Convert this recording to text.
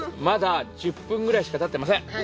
まだ１０分くらいしか経ってません。